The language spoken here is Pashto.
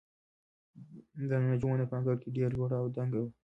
د ناجو ونه په انګړ کې ډېره لوړه او دنګه وه.